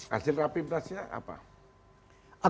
hasil rapi berhasilnya apa